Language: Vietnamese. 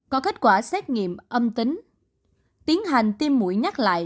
có kết quả xét nghiệm âm tính tiến hành tiêm mũi nhắc lại